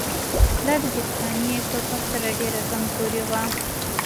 دا د هسپانیې په پرتله ډېره کمزورې وه.